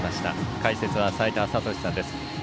解説は齋田悟司さんです。